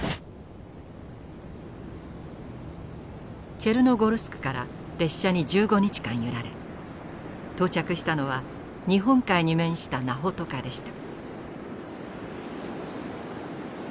チェルノゴルスクから列車に１５日間揺られ到着したのは日本海に面したナホトカでした。